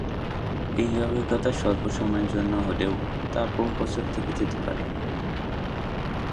এই অভিজ্ঞতা স্বল্প সময়ের জন্য হলেও তা বহু বছর থেকে যেতে পারে।